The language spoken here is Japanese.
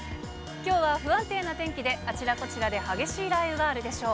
きょうは不安定な天気で、あちらこちらで激しい雷雨があるでしょう。